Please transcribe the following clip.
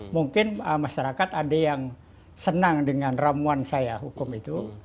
mungkin masyarakat ada yang senang dengan ramuan saya hukum itu